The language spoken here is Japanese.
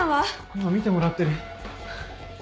今診てもらってる。